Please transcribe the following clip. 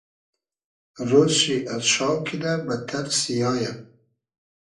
رۉز شی از شاو کیدۂ بئدتئر سیایۂ